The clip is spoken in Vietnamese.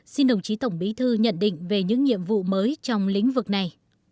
xin đồng chí tổng bí thư nhận định về những nhiệm vụ mới trong lĩnh vực này